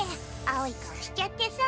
青い顔しちゃってさ。